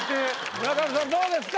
村上さんどうですか？